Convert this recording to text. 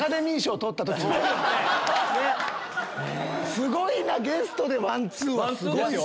すごいなゲストでワンツーは。